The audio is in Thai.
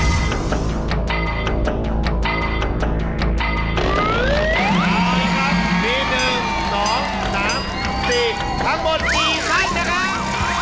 อ๋อนี่ครับมีหนึ่งสองสามสี่ทั้งหมดกี่ขั้นนะครับ